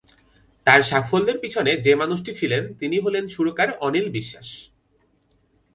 তাঁর সাফল্যের পিছনে যে মানুষটি ছিলেন, তিনি হলেন সুরকার অনিল বিশ্বাস।